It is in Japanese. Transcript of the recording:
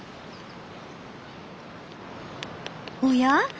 おや？